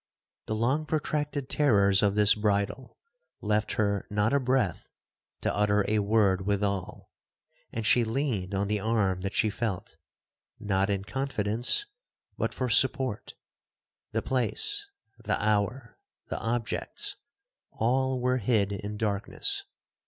The long protracted terrors of this bridal left her not a breath to utter a word withal, and she leaned on the arm that she felt, not in confidence, but for support. The place, the hour, the objects, all were hid in darkness.